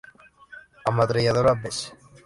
Ametralladora vz.